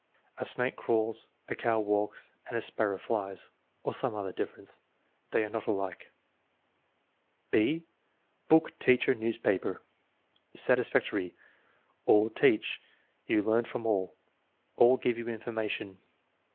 "A snake crawls, a cow walks, and a sparrow flies" (or some other difference). "They are not alike." (6) Booh, teacher, newspaper Satisfactory. "All teach." "You learn from all." "All give you information."